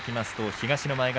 東の前頭